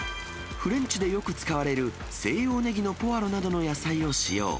フレンチでよく使われる西洋ネギのポワロなどの野菜を使用。